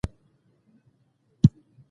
د کندهار چل زینو ویالې تر اوسه کار کوي